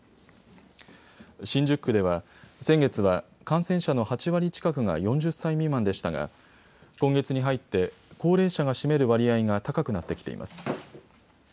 新宿区では先月は感染者の８割近くが４０歳未満でしたが今月に入って高齢者が占める割合が高くなってきています。